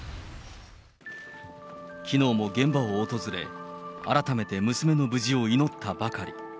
きのうも現場を訪れ、改めて娘の無事を祈ったばかり。